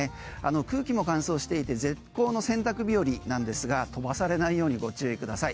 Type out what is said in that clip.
空気も乾燥していて絶好の洗濯日和なんですが飛ばされないようにご注意ください。